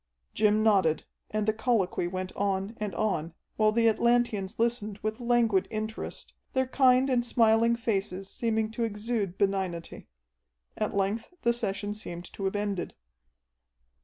Jim nodded, and the colloquy went on and on, while the Atlanteans listened with languid interest, their kind and smiling faces seeming to exude benignity. At length the session seemed to have ended.